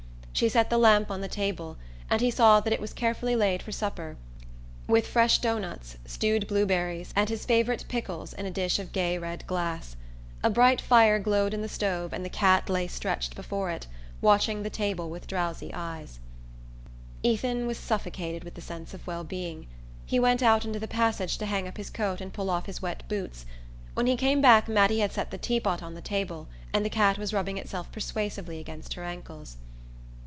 She set the lamp on the table, and he saw that it was carefully laid for supper, with fresh dough nuts, stewed blueberries and his favourite pickles in a dish of gay red glass. A bright fire glowed in the stove and the cat lay stretched before it, watching the table with a drowsy eye. Ethan was suffocated with the sense of well being. He went out into the passage to hang up his coat and pull off his wet boots. When he came back Mattie had set the teapot on the table and the cat was rubbing itself persuasively against her ankles.